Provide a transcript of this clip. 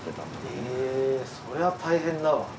へぇそりゃ大変だわ。